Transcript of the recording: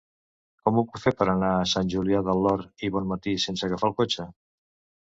Com ho puc fer per anar a Sant Julià del Llor i Bonmatí sense agafar el cotxe?